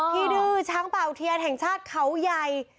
ดื้อช้างป่าอุเทียนแห่งชาติเขาใหญ่